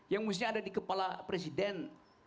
yang mestinya ada di kepala presiden